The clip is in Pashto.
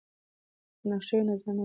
که نقشه وي نو ځای نه ورکېږي.